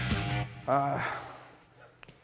ああ。